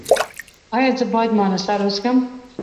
ایا زه باید مانسټر وڅښم؟